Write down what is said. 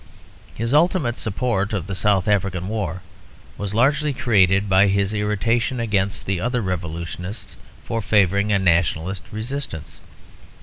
His ultimate support of the South African war was largely created by his irritation against the other revolutionists for favouring a nationalist resistance.